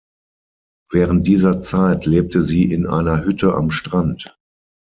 Während dieser Zeit lebte sie in einer Hütte am Strand.